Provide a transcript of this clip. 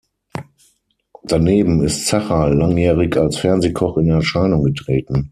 Daneben ist Zacherl langjährig als Fernsehkoch in Erscheinung getreten.